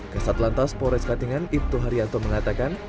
kesat lantas polres katingan ibtu haryanto mengatakan